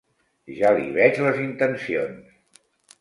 Ja li veig les intencions.